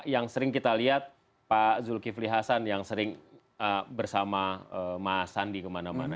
yang sering kita lihat pak zulkifli hasan yang sering bersama mas sandi kemana mana